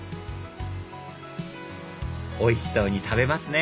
おいしそうに食べますね